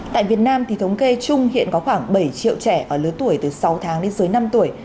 tại việt nam thì thống kê chung hiện có khoảng bảy triệu trẻ ở lứa tuổi từ sáu tháng đến dưới năm tuổi